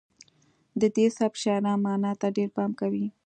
د دې سبک شاعران معنا ته ډیر پام کوي